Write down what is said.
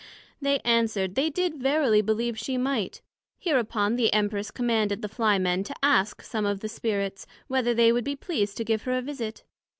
They answered, They did verily believe she might. Hereupon the Empress commanded the Fly men to ask some of the Spirits, Whether they would be pleased to give her a Visit?